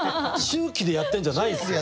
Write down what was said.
周期でやってんじゃないんすよ。